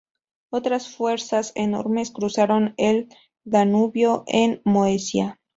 Otras fuerzas enormes cruzaron el Danubio en Moesia.